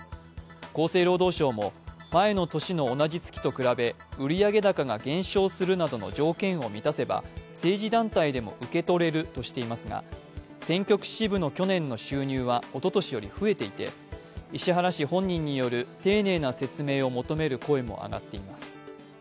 厚生労働省も、前の年と同じ月と比べ売上高が減少するなどの条件を満たせば政治団体でも受け取れるとしていますが選挙区支部の去年の収入はおととしより増えていて石原氏本人による丁寧な説明を求める声も上がっています。